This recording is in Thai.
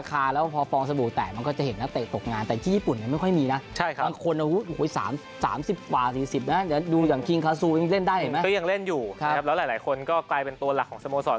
ก็เล่นอยู่แล้วหลายคนกลายเป็นตัวหลักของสโมสอร์ต